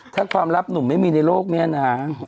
ถ้าความลับหนุ่มไม่มีในโลกนี้นะ